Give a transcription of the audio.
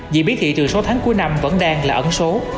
dị biến thị trường sáu tháng cuối năm vẫn đang là ẩn số